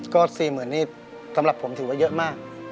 ก็๔๐๐๐นี่สำหรับผมถือว่าเยอะมาก